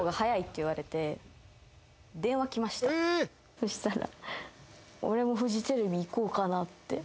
そしたら。